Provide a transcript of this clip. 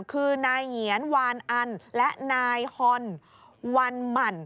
คือนายเหงียนวานอันและนายฮอนวันหมั่น